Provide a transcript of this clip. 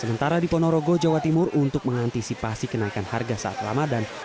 sementara di ponorogo jawa timur untuk mengantisipasi kenaikan harga saat ramadan